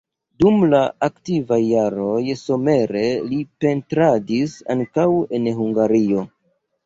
Dum la aktivaj jaroj somere li pentradis ankaŭ en Hungario.